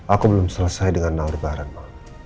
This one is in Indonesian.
aku belum selesai dengan naurbaran ma